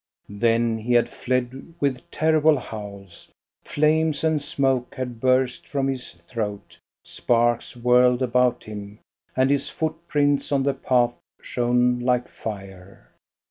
Then he had fled with terrible howls, flames and smoke had burst from his throat, sparks whirled about him, and his foot prints on the path shone like fire.